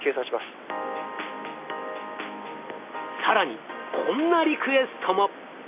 更にこんなリクエストも。